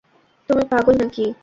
তুমি পাগল নাকি?